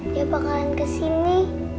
dia bakalan kesini